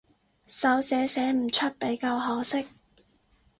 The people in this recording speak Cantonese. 手寫寫唔出比較可惜